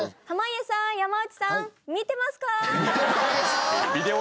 濱家さん山内さん見てますか？